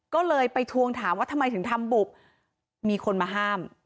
ก็เลยไปทวงถามว่าทำไมถึงทำบุบมีคนมาห้าม